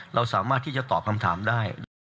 เราสามารถที่จะตอบคำถามได้